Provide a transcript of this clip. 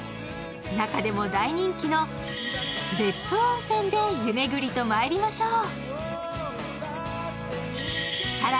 中でも大人気の別府温泉で湯巡りとまいりましょう。